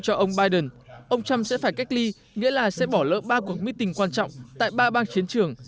cho ông biden ông trump sẽ phải cách ly nghĩa là sẽ bỏ lỡ ba cuộc meeting quan trọng tại ba bang chiến trường